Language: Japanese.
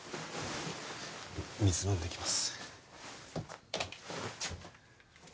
水飲んできます